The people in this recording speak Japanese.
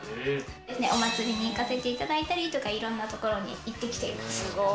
お祭りに行かせていただいたり、いろんなところに行ってきています。